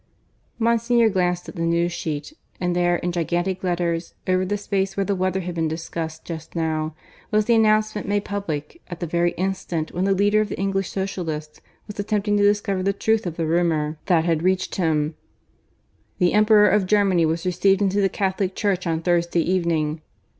Monsignor glanced at the news sheet, and there, in gigantic letters, over the space where the weather had been discussed just now, was the announcement made public at the very instant when the leader of the English Socialists was attempting to discover the truth of the rumour that had reached him: THE EMPEROR OF GERMANY WAS RECEIVED INTO THE CATHOLIC CHURCH ON THURSDAY EVENING.